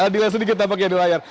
di sini kita pakai di layar